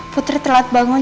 putri telat bangun